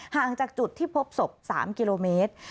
ห่างจากจุดที่พบศพ๓กิโลเมตร